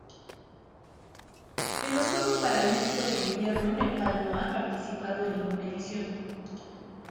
En los Juegos Paralímpicos de Invierno Nepal no ha participado en ninguna edición.